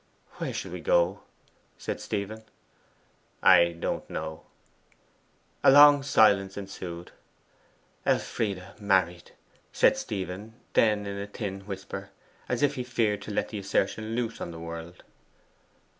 'Where shall we go?' said Stephen. 'I don't know.' A long silence ensued....'Elfride married!' said Stephen then in a thin whisper, as if he feared to let the assertion loose on the world.